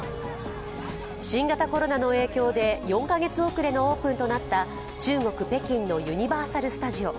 新型コロナの影響で４カ月遅れのオープンとなった中国・北京のユニバーサル・スタジオ。